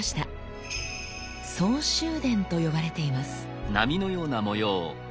「相州伝」と呼ばれています。